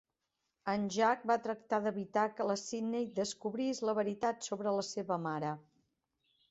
En Jack va tractar d'evitar que la Sydney descobrís la veritat sobre la seva mare.